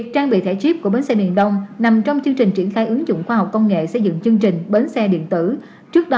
tập thể dục